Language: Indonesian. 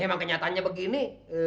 emang kenyataannya begini